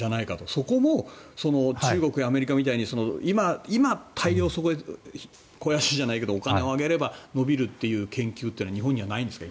そこも中国やアメリカみたいに今、大量に肥やしじゃないけどお金をあげれば伸びるっていう研究っていうのは日本にはないんですか？